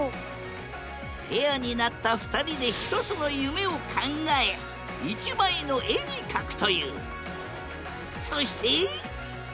ペアになった２人で１つの夢を考え１枚の絵に描くという。